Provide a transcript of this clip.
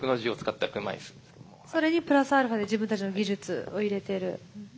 それにプラスアルファで自分たちの技術を入れてる。